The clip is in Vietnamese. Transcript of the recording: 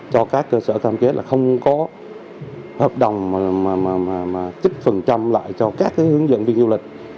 cho các cơ sở tham kết là không có hợp đồng mà chích phần trăm lại cho các hướng dẫn viên du lịch